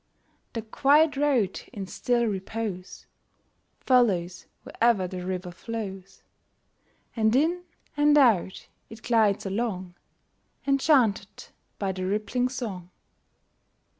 The quiet road in still repose Follows where'er the river flows ; And in and out it glides along, Enchanted by the rippling song.